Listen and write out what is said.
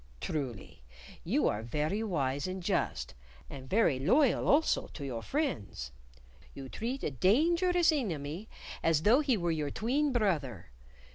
Truly, you are very wise and just, and very loyal also to your friends. You treat a dangerous enemy as though he were your tween brother.